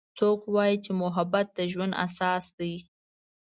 څوک وایي چې محبت د ژوند اساس ده